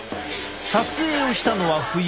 撮影をしたのは冬。